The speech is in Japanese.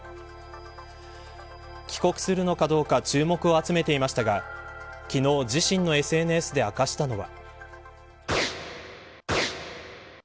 帰国するのかどうか注目を集めていましたが昨日自身のＳＮＳで明かしたのは。